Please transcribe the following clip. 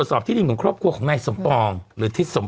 ชีปุ๊กเขาจะเป็นคนที่เล่น